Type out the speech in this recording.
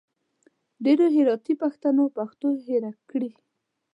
ډېرو هراتي پښتنو پښتو هېره کړي